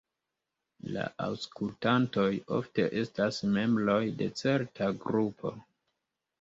La aŭskultantoj ofte estas membroj de certa grupo.